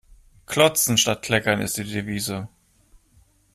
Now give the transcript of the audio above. Klotzen statt Kleckern ist die Devise.